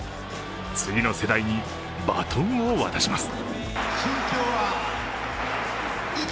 次の世代にバトンを渡します。